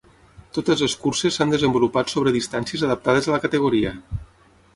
Totes les curses s’han desenvolupat sobre distàncies adaptades a la categoria.